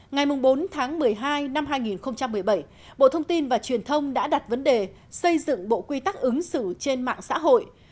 ngày bốn tháng một mươi hai năm hai nghìn một mươi bảy bộ thông tin và truyền thông đã đặt vấn đề xây dựng bộ quy tắc ứng xử trên mạng xã hội